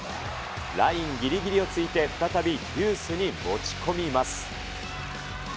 ラインぎりぎりをついて、再びデュースに持ち込みます。